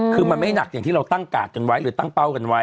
คือมันไม่หนักอย่างที่เราตั้งกาดกันไว้หรือตั้งเป้ากันไว้